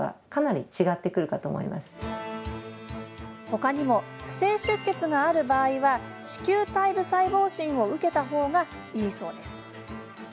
ほかにも不正出血がある場合は子宮体部細胞診を受けたほうがいいそうです。